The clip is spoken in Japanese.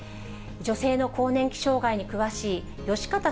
女性の更年期障害に詳しいよしかた